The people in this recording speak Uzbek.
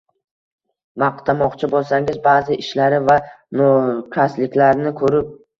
Maqtamoqchi bo’lsangiz – ba’zi ishlari va nokasliklarini ko’rib